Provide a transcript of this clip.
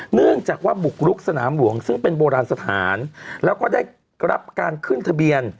เนื่องจากว่าบุกลุกสนามหลวงซึ่งเป็นโบราณสถานแล้วก็ได้รับการขึ้นทะเบียน